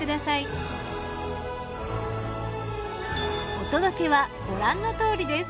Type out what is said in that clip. お届けはご覧のとおりです。